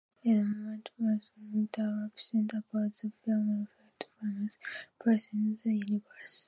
His metaphysical interpretations about the film reflected humankind's place in the universe.